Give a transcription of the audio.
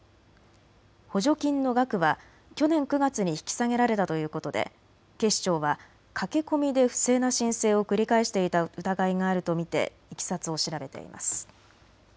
補助金の額は去年９月に引き下げられたということで警視庁は駆け込みで不正な申請を繰り返していた疑いがあると見ていきさつを調べています。